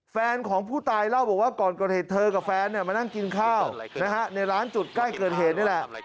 แฟนของผู้ตายเล่าบอกว่าก่อนเกิดเหตุเธอกับแฟนมานั่งกินข้าวนะฮะในร้านจุดใกล้เกิดเหตุนี่แหละ